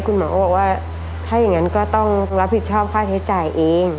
คุณหมอก็บอกว่าถ้าอย่างนั้นก็ต้องรับผิดชอบค่าใช้จ่ายเอง